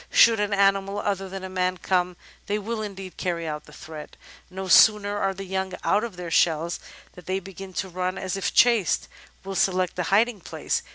Should an animal other than a man come, they will indeed carry out the threat. No sooner are the young out of their shells than they begin to run, and if chased, will select a hiding place.